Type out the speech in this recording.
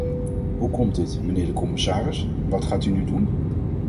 Hoe komt dit, mijnheer de commissaris, en wat gaat u nu doen?